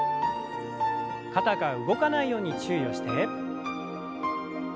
肩が動かないように注意をして。